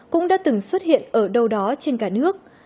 cũng đã từng xuất hiện ở đâu đó trên cả nước